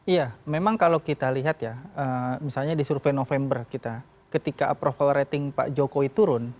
iya memang kalau kita lihat ya misalnya di survei november kita ketika approval rating pak jokowi turun